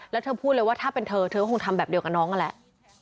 แล้วเธอพูดเลยว่าถ้าเป็นเธอเธอก็คงทำแบบเดียวกับน้องนั่นแหละ